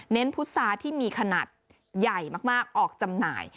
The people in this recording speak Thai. พุษาที่มีขนาดใหญ่มากออกจำหน่าย